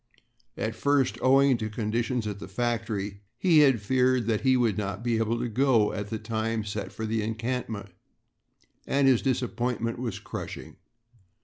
At first, owing to conditions at the factory, he had feared that he would not be able to go at the time set for the encampment, and his disappointment was crushing.